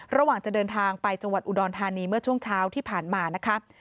ระหว่างจะเดินทางไปจังหวัดอุดรธานีเมื่อช่วงเช้าที่ผ่านมานะคะ